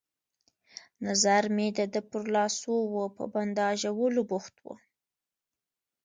نظر مې د ده پر لاسو وو، په بنداژولو بوخت وو.